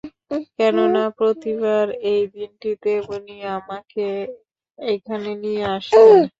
কেননা প্রতিবার এই দিনটিতে উনি আমাকে এখানে নিয়ে আসতেন।